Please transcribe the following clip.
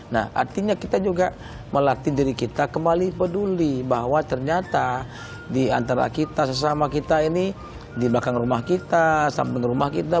nah artinya kita juga melatih diri kita kembali peduli bahwa ternyata di antara kita sesama kita ini di belakang rumah kita samping rumah kita